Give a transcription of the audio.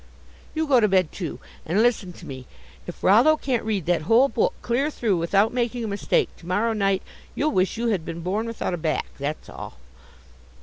You go to bed, too, and listen to me if Rollo can't read that whole book clear through without making a mistake to morrow night, you'll wish you had been born without a back, that's all."